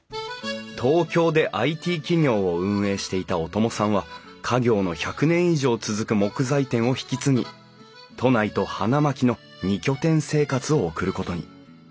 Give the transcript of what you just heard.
東京でＩＴ企業を運営していた小友さんは家業の１００年以上続く木材店を引き継ぎ都内と花巻の２拠点生活を送ることに。